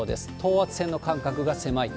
等圧線の間隔が狭い。